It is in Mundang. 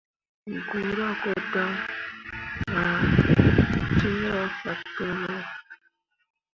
Guura ko dan ah cinra fatǝro.